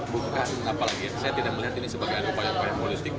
bukan apalagi saya tidak melihat ini sebagai upaya upaya politik